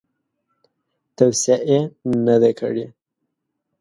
توصیه یې نه ده کړې.